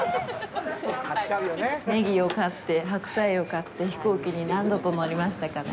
ネギを買って、白菜を買って飛行機に何度と乗りましたかな。